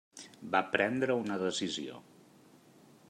Va prendre una decisió.